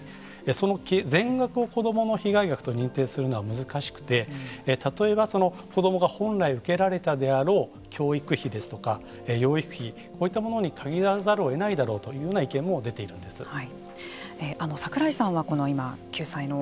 その全額を子どもの被害額と認定するのは難しくて例えば、その子どもが本来、受けられたであろう教育費ですとか養育費、こういったものに限らざるを得ないだろうというような櫻井さんは今の